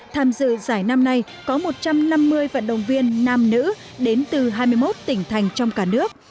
tham dự giải năm nay có một trăm năm mươi vận động viên nam nữ đến từ hai mươi một tỉnh thành trong cả nước